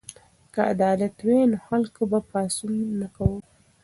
که عدالت وای نو خلکو به پاڅون نه کاوه.